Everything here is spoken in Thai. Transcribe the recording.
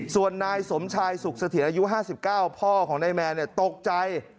ส่วนนายสมชายสุขสถิตอายุห้าสิบเก้าพ่อของนายแมนเนี่ยตกใจ